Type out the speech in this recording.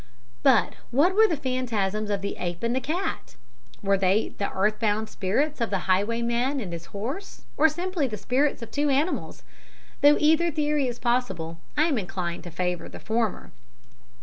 But what were the phantasms of the ape and cat? Were they the earth bound spirits of the highwayman and his horse, or simply the spirits of two animals? Though either theory is possible, I am inclined to favour the former.